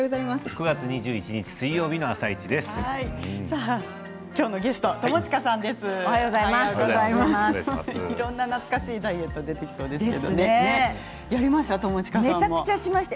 ９月２１日水曜日の「あさイチ」です。